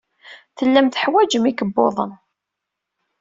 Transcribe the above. Tellam teḥwajem ikebbuḍen.